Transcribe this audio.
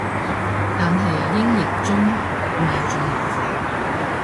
但係英譯中咪仲麻煩